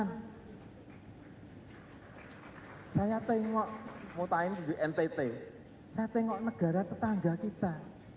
dan saya tengok mota'in di ntt saya tengok negara tetangga kita